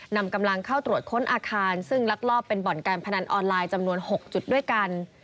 นำกำลังเข้าตรวจค้นอาคารซึ่งลักลอบเป็นบ่อนการพนันออนไลน์จำนวน๖จุดด้วยกัน